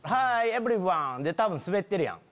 エブリワン！」で多分スベってるやん。